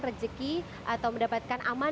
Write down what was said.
rezeki atau mendapatkan aman